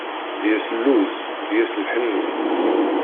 Deg-s lluz, deg-s lḥenni.